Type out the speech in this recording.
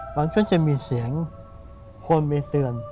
หลังจากนั้นจะมีเสียงคนไปเตือน